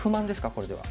これでは。